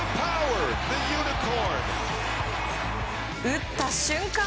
打った瞬間